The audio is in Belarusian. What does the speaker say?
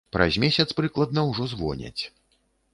Праз месяц прыкладна ўжо звоняць.